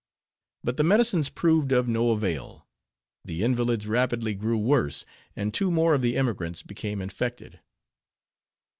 But the medicines proved of no avail; the invalids rapidly grew worse; and two more of the emigrants became infected.